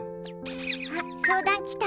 あ、相談来た。